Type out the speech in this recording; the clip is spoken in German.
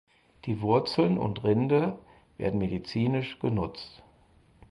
Die Wurzeln und Rinde werden medizinisch genutzt.